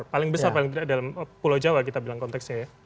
paling besar paling tidak dalam pulau jawa kita bilang konteksnya ya